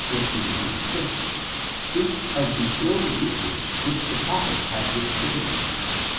6, speaks of the ill usage which tthe prophets had to experience